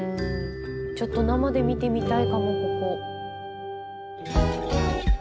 ちょっと生で見てみたいかもここ。